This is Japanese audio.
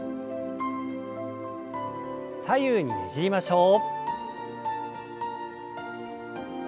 左右にねじりましょう。